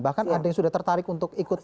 bahkan ada yang sudah tertarik untuk ikut